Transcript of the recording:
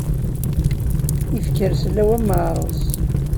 Ifker sellaw am uɛarus.